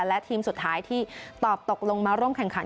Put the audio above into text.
และทีมสุดท้ายที่ตอบตกลงมาร่วมแข่งขัน